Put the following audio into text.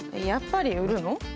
やっぱり売るの？